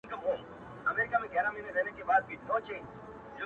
بخته راته یو ښکلی صنم راکه,